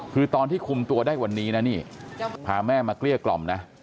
คือตอนที่คุมตัวได้วันนี้นะนี่พาแม่มาเกลี้ยกล่อมนะ